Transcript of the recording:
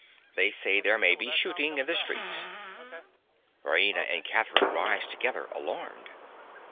They say there may be shooting in the streets. (_Raina and Catherine rise together, alarmed.